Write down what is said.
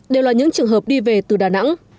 đều là những trường hợp đi về từ đà nẵng